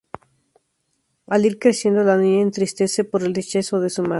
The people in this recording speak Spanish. Al ir creciendo, la niña entristece por el rechazo de su madre.